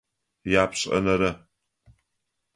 Япшӏэнэрэ.